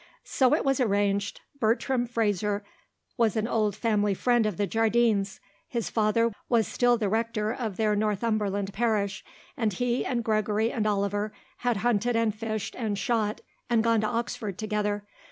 So it was arranged. Bertram Fraser was an old family friend of the Jardines'. His father was still the rector of their Northumberland parish, and he and Gregory and Oliver had hunted and fished and shot and gone to Oxford together.